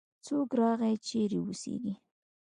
څوک راغی؟ چیرې اوسیږې؟